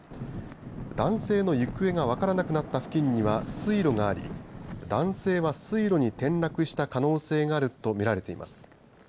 男性の行方が分からなくなった付近には水路があり男性は水路に転落した可能性があるとみられています。